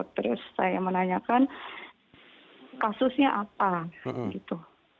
terus saya menanyakan kasusnya apa gitu